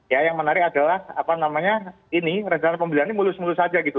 ya yang menarik adalah apa namanya ini rencana pembelian ini mulus mulus saja gitu